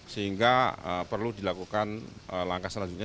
sehingga perlu dilakukan langkah selanjutnya